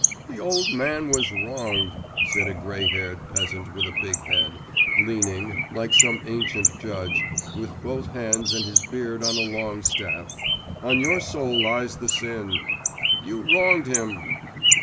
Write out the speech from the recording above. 'The old man was wronged,' said a grey haired peasant with a big head, leaning, like some ancient judge, with both hands and his beard on a long staff; 'on your soul lies the sin! You wronged him!